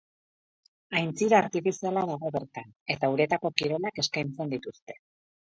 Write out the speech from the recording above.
Aintzira artifiziala dago bertan, eta uretako kirolak eskaintzen dituzte.